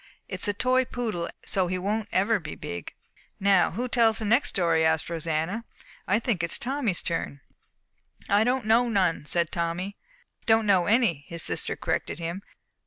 It is a toy poodle, so he won't ever be big." "Now who tells the next story?" asked Rosanna. "I think it is Tommy's turn." "Don't know none," said Tommy. "Don't know any," his sister corrected him.